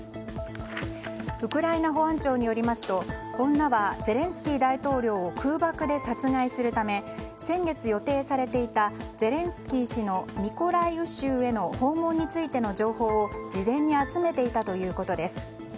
ウクライナ保安庁によりますと女は、ゼレンスキー大統領を空爆で殺害するため先月予定されていたゼレンスキー氏のミコライウ州への訪問についての情報を事前に集めていたということです。